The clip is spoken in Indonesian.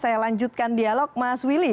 saya lanjutkan dialog mas willy